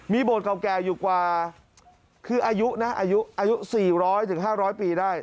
มีบทเก่าอยู่กว่าคืออายุนะอายุอายุ๔๐๐และ๕๐๐ปีได้